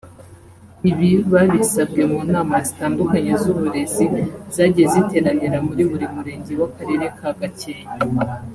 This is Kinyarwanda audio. ibi babisabwe mu nama zitandukanye z’uburezi zagiye ziteranira muri buri Murenge w’akarere ka Gakenke